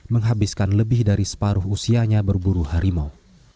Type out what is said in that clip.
menghabiskan lebih dari separuh usianya berburu harimau